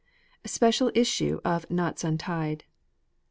SPECIAL ISSUE OF "KNOTS UNTIED."